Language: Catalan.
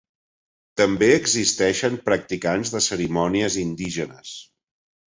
També existeixen practicants de cerimònies indígenes.